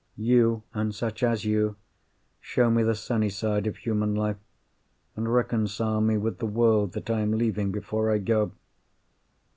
You, and such as you, show me the sunny side of human life, and reconcile me with the world that I am leaving, before I go.